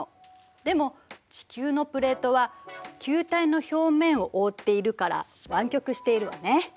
でも地球のプレートは球体の表面をおおっているから湾曲しているわね。